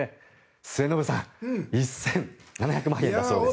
末延さん１７００万円だそうです。